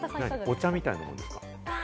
お茶みたいなものですか？